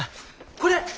これ！